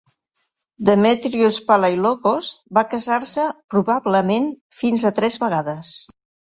Demetrios Palaiologos va casar-se, probablement, fins a tres vegades.